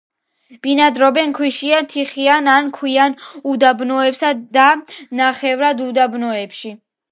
ბინადრობენ ქვიშიან, თიხიან ან ქვიან უდაბნოებსა და ნახევრად უდაბნოებში.